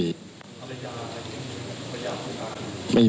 ไม่มีครับไม่มี